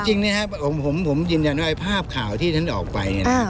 จริงนะครับผมยืนยันว่าภาพข่าวที่ท่านออกไปเนี่ยนะ